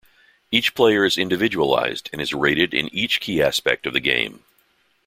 Each player is individualized, and is rated in each key aspect of the game.